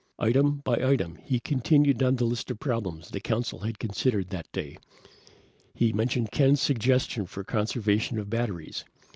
Item by item, he continued down the list of problems the Council had considered that day. He mentioned Ken's suggestion for conservation of batteries.